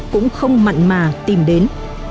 cũng không mặn mà tìm đến